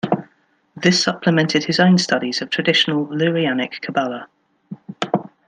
This supplemented his own studies of traditional Lurianic Kabbalah.